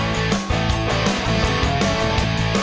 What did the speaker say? นิดนึงนะ